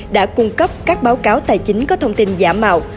đã cung cấp các báo cáo tài chính có thông tin giả mạo